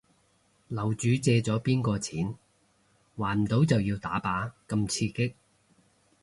樓主借咗邊個錢？還唔到就要打靶咁刺激